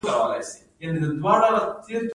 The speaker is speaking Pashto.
د خیبر دره څه تاریخي ارزښت لري؟